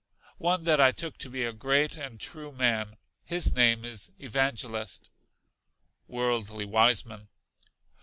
One that I took to be a great and true man; his name is Evangelist. Worldly Wiseman.